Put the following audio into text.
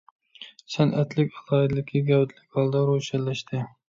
سەنئەتلىك ئالاھىدىلىكى گەۋدىلىك ھالدا روشەنلەشتى.